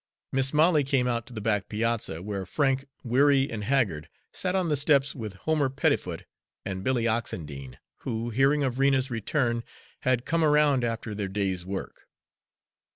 Mis' Molly came out to the back piazza, where Frank, weary and haggard, sat on the steps with Homer Pettifoot and Billy Oxendine, who, hearing of Rena's return, had come around after their day's work.